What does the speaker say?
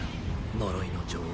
呪いの女王。